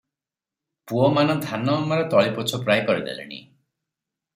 ପୁଅମାନ ଧାନଅମାର ତଳିପୋଛ ପ୍ରାୟ କରିଦେଲେଣି ।